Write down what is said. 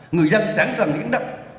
người dân sẵn sàng hiến đắp